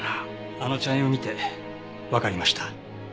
あの茶園を見てわかりました。